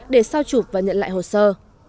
để sao chụp và nhận lại hồ sơ